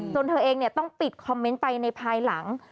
เธอเองต้องปิดคอมเมนต์ไปในภายหลัง